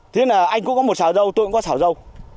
thế là anh cũng có một xảo dâu tôi cũng có xảo dâu